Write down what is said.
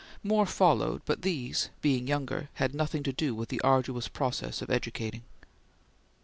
More followed, but these, being younger, had nothing to do with the arduous process of educating.